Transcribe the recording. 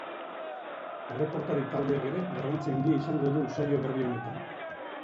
Erreportari taldeak ere garrantzi handia izango du saio berri honetan.